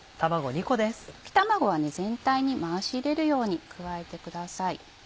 溶き卵は全体に回し入れるように加えてください。